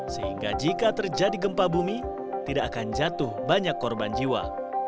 sehingga jika terjadi gempa bumi tidak akan jatuh banyak korban jiwa